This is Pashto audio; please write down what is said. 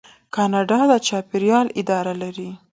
کاناډا د چاپیریال اداره لري.